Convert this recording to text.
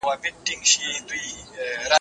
کله د خبري رسنیو کتل باید محدود کړو؟